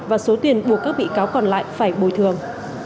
và số tiền buộc các bị cáo còn lại phải bồi thường